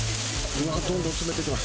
うわ、どんどん詰めていきます。